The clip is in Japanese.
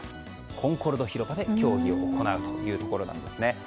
コンコルド広場で競技を行うということですね。